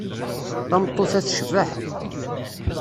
Tameṭṭut-a tecbeḥ.